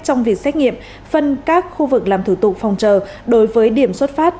trong việc xét nghiệm phân các khu vực làm thử tục phòng trờ đối với điểm xuất phát